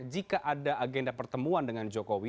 jika ada agenda pertemuan